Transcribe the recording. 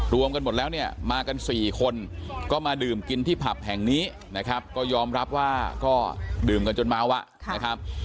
รวมกันหมดแล้วเนี่ยมากัน๔คนก็มาดื่มกินที่ผับแห่งนี้นะครับก็ยอมรับว่าก็ดื่มกันจนเมาอ่ะนะครับ